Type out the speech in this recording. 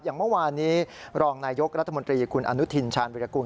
อย่างเมื่อวานนี้รองนายกรัฐมนตรีคุณอนุทินชาญวิรากุล